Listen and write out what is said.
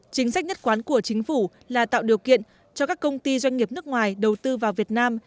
chính sách nhất quán của chính phủ là tạo điều kiện cho các công ty doanh nghiệp nước ngoài đầu tư vào việt nam